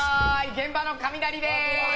現場のカミナリです。